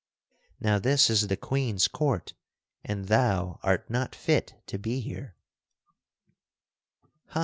Now this is the Queen's court and thou art not fit to be here."